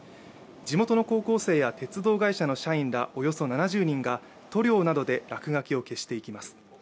地元の高校生や鉄道会社の社員らおよそ７０人が塗料などで落書きを消していきます。